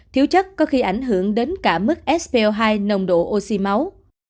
thiếu chất có khi ảnh hưởng đến cả mức sb hai nồng độ oxy máu